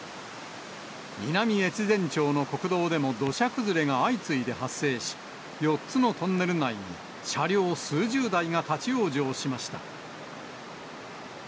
南越前町の国道でも土砂崩れが相次いで発生し、４つのトンネル内に、車両数十台が立往生しました。